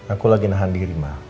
aku lagi nahan diri